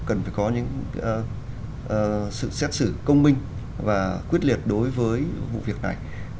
cần phải có những sự xét xử công minh và quyết liệt đối với vụ việc này